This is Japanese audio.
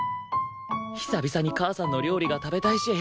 久々に母さんの料理が食べたいし